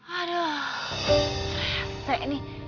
aduh resek ini